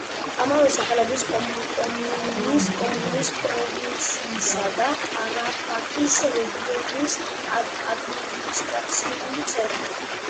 ამავე სახელობის კომუნის, პროვინციისა და ტარაპაკის რეგიონის ადმინისტრაციული ცენტრი.